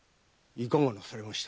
いかがなされました？